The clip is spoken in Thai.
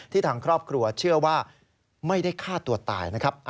ทางครอบครัวเชื่อว่าไม่ได้ฆ่าตัวตายนะครับ